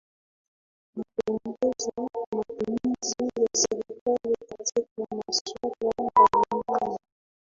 wa kuongeza matumizi ya serikali katika masuala mbalimbali